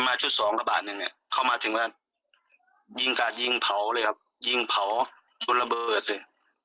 มาชุด๒กระบาดนึงเข้ามาถึงแล้วยิงกัดยิงเผาเลยครับยิงเผาโดนระเบิดเลย